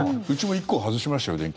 うちも１個外しましたよ